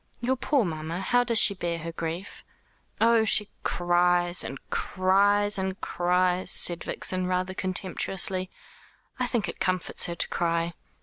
"Your poor mamma! How does she bear her grief?" "Oh, she cries, and cries, and cries," said Vixen, rather contemptuously. "I think it comforts her to cry.